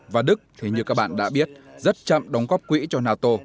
và đức thế như các bạn đã biết rất chậm đóng góp quỹ cho nato